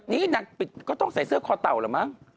นี่นางปิดก็ต้องใส่เสื้อคอเต่าเหรอมั้ง